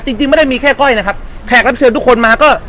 แล้วจริงในเวลาที่ถ่ายรายการกันจริง